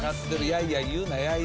やいやい言うな。